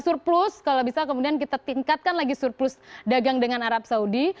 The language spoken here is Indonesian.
surplus kalau bisa kemudian kita tingkatkan lagi surplus dagang dengan arab saudi